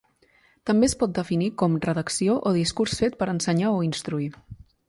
També es pot definir com redacció o discurs fet per ensenyar o instruir.